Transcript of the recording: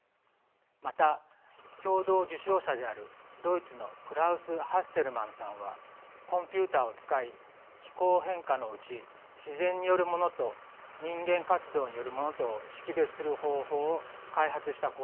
また共同受賞者であるドイツのクラウス・ハッセルマンさんはコンピューターを使い気温変化のうち自然によるものと人間活動によるものとを識別する方法を開発した功績がその受賞理由です。